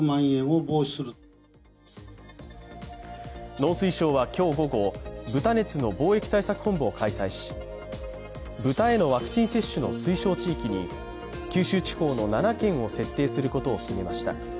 農水省は今日午後、豚熱の防疫対策本部を開催し豚へのワクチン接種の推奨地域に九州地方の７県を設定することを決めました。